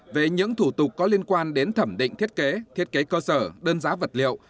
về những thủ tục có liên quan đến thẩm định thiết kế thiết kế cơ sở đơn giá vật liệu